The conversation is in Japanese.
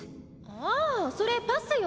あそれパスよ。